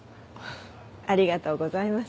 ありがとうございます。